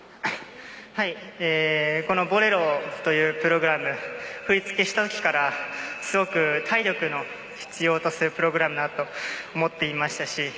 はいこの「ボレロ」というプログラム振り付けしたときからすごく体力を必要とするプログラムだと思っていましたし